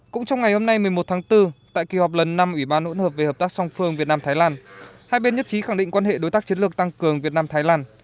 cũng trong ngày hôm nay một mươi một tháng bốn tại kỳ họp lần năm ủy ban hỗn hợp về hợp tác song phương việt nam thái lan hai bên nhất trí khẳng định quan hệ đối tác chiến lược tăng cường việt nam thái lan